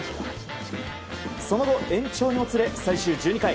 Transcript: その後、延長にもつれ最終１２回。